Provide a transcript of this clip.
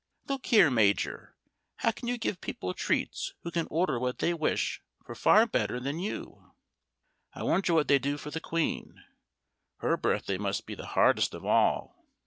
Look here, Major! How can you give people treats who can order what they wish for far better than you? I wonder what they do for the Queen! her birthday must be the hardest of all."